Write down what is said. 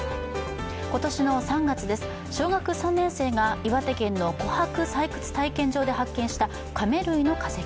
今年の３月です、小学３年生が岩手県の琥珀採掘体験場で発見したカメ類の化石。